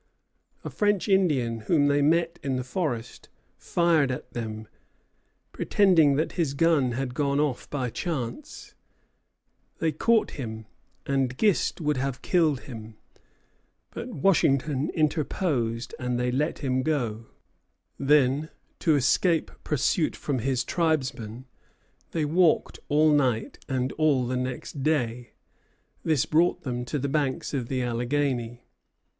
A French Indian, whom they met in the forest, fired at them, pretending that his gun had gone off by chance. They caught him, and Gist would have killed him; but Washington interposed, and they let him go. Then, to escape pursuit from his tribesmen, they walked all night and all the next day. This brought them to the banks of the Alleghany.